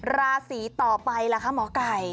ราศีต่อไปล่ะคะหมอไก่